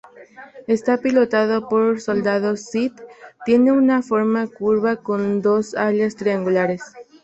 Está pilotado por soldados Sith, tiene una forma curva con dos alas triangulares.